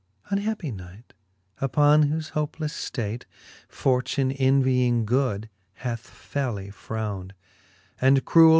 Unhappie knight, upon whofe hopeleflfe ftate Fortune, envying good, hath felly frowned, And cruel!